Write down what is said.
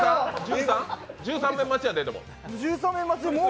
十三面待ちやで。